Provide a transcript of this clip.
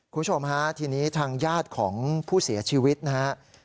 คุณผู้ชมฮะทีนี้ทางญาติของผู้เสียชีวิตนะครับ